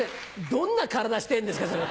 どんな体してんですか！